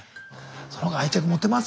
その方が愛着持てます